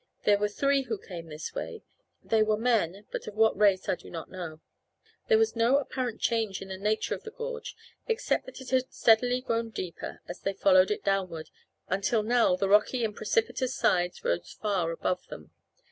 There were three who came this way. They were men, but of what race I do not know." There was no apparent change in the nature of the gorge except that it had steadily grown deeper as they followed it downward until now the rocky and precipitous sides rose far above them.